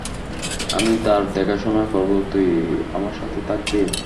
আমি তোর দেখাশোনা করবো তুই আমার সাথে থাকবি।